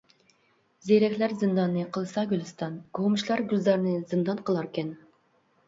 زېرەكلەر زىنداننى قىلسا گۈلىستان، گومۇشلار گۈلزارنى زىندان قىلاركەن.